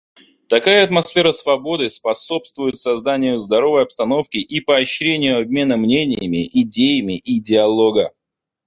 Такая атмосфера свободы способствует созданию здоровой обстановки и поощрению обмена мнениями, идеями и диалога.